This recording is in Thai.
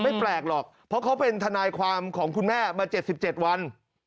ไม่แปลกหรอกเพราะเขาเป็นทนายความของคุณแม่มา๗๗วัน